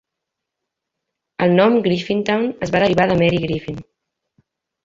El nom "Griffintown" es va derivar de Mary Griffin.